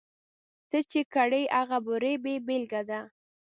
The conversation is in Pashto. څه چې کرې، هغه به رېبې بېلګه ده.